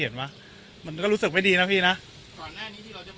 เห็นปะมันก็รู้สึกไม่ดีนะพี่นะก่อนหน้านี้ที่เราจะมาเห็นคลิปเราเคย